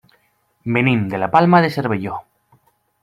Venim de la Palma de Cervelló.